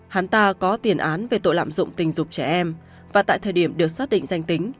hán ta có tiền án về tội lạm dụng tình dục trẻ em và tại thời điểm được xác định danh tính